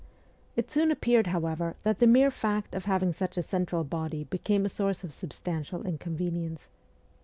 It soon appeared, however, that the mere fact of having such a central body became a source of substantial inconvenience.